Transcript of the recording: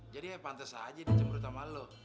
jadi ya pantes aja dicembrut sama lo